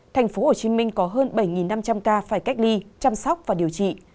tp hcm có hơn bảy năm trăm linh ca phải cách ly chăm sóc và điều trị